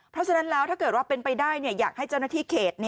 เพราะฉะนั้นแล้วถ้าเกิดว่าเป็นไปได้อยากให้เจ้าหน้าที่เขต